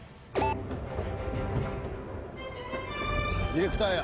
ディレクターや。